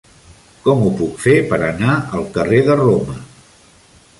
Com ho puc fer per anar al carrer de Roma?